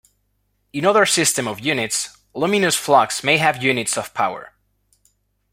In other systems of units, luminous flux may have units of power.